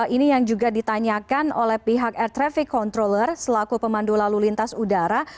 ini yang juga ditanyakan oleh pihak air traffic controller selaku pemandu lalu lintas udara